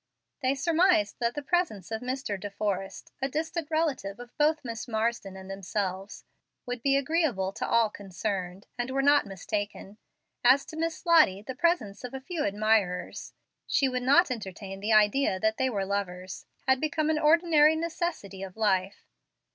They surmised that the presence of Mr. De Forrest, a distant relative of both Miss Marsden and themselves, would be agreeable to all concerned, and were not mistaken; and to Miss Lottie the presence of a few admirers she would not entertain the idea that they were lovers had become an ordinary necessity of life.